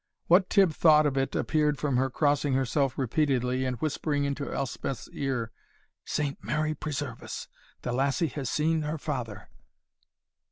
What Tibb thought of it appeared from her crossing herself repeatedly, and whispering into Elspeth's ear, "Saint Mary preserve us! the lassie has seen her father!"